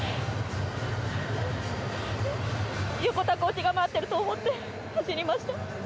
横田コーチが待っていると思って走りました。